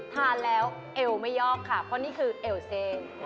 ทานแล้วเอวไม่ยอกค่ะเพราะนี่คือเอลเซ